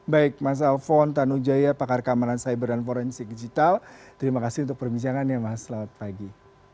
baik mas alphon tanujaya pakar keamanan cyber dan forensik digital terima kasih untuk perbincangannya mas selamat pagi